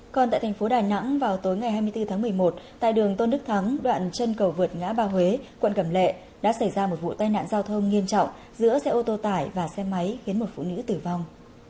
còn tại thành phố đà nẵng vào tối ngày hai mươi bốn tháng một mươi một tại đường tôn đức thắng đoạn chân cầu vượt ngã ba huế quận cầm lệ đã xảy ra một vụ tai nạn giao thông nghiêm trọng giữa xe ô tô tải và xe máy khiến một phụ nữ tử vong